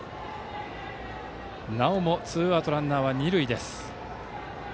なおもツーアウトランナー、二塁です。